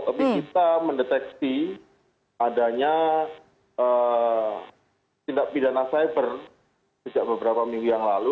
tapi kita mendeteksi adanya tindak pidana cyber sejak beberapa minggu yang lalu